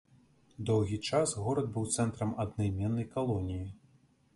Доўгі час горад быў цэнтрам аднайменнай калоніі.